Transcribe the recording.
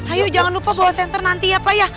ayo jangan lupa bawa center nanti ya pak ya